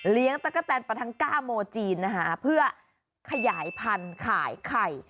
เลี้ยงตั๊กกะแตนปาทังก้าโมจีนเพื่อขยายพันธุ์ขายไข่